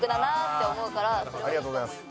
ありがとうございます。